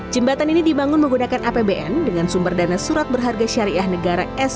jembatan ini dibangun menggunakan apbn dengan sumber dana surat berharga syariah negara